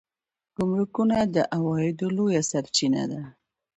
ګمرکونه د عوایدو لویه سرچینه ده